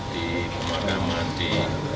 di pemakaman di